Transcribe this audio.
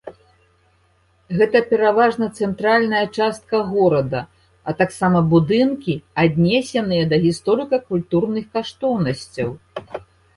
Гэта пераважна цэнтральная частка горада, а таксама будынкі, аднесеныя да гісторыка-культурных каштоўнасцяў.